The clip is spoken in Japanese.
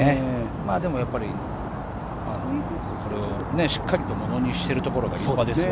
でもやっぱりこれをしっかりとものにしているところが立派ですよね。